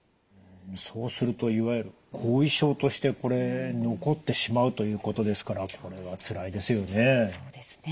そうするといわゆる後遺症としてこれ残ってしまうということですからこれはつらいですよね。